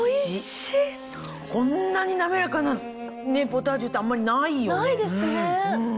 こんなに滑らかなポタージュってあんまりないよね？